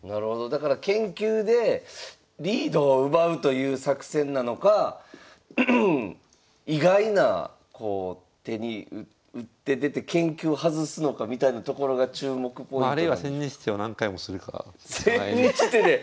だから研究でリードを奪うという作戦なのか意外な手に打って出て研究を外すのかみたいなところが注目ポイントなんですか？